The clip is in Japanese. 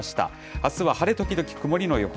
あすは晴れ時々曇りの予報。